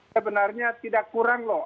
sebenarnya tidak kurang loh